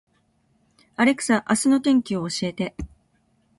アレクサ、明日の天気を教えて